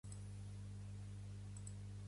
Tot i això, què ha causat la Crida?